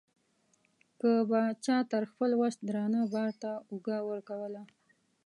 که به چا تر خپل وس درانه بار ته اوږه ورکوله.